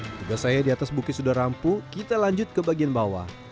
tugas saya di atas bukit sudah rampu kita lanjut ke bagian bawah